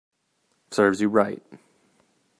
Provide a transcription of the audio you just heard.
Serves you right